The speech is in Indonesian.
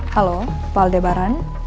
halo pak aldebaran